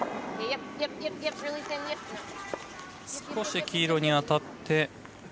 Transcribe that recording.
少し黄色に当たって